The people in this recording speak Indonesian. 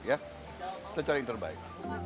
kita cari yang terbaik